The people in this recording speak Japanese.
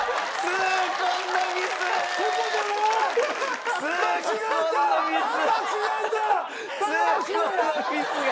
痛恨のミスが。